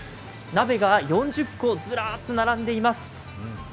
鍋が４０個ズラーッと並んでいます。